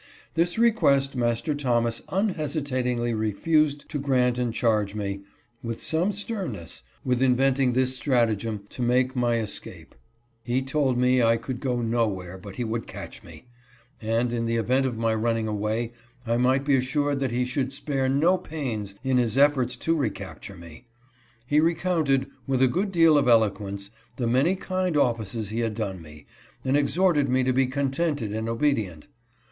This request Master Thomas unhesitatingly refused to grant and charged me, with some sternness, with inventing this stratagem to make my escape. He told me I could go nowhere but he would catch me ; and, in the event of my running away, I might be assured that he should spare no pains in his efforts to recapture me. He recounted, with a good deal of eloquence, the many kind offices he had done me, and exhorted me to be contented and obedient.